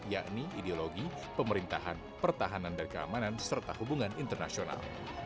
yakni ideologi pemerintahan pertahanan dan keamanan serta hubungan internasional